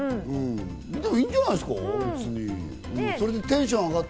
いいんじゃないですか？